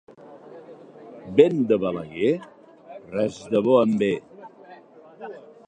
Vent de Balaguer, res de bo en ve.